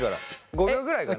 ５秒ぐらいかな。